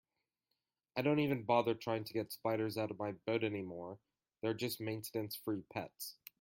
I don't even bother trying to get spiders out of my boat anymore, they're just maintenance-free pets.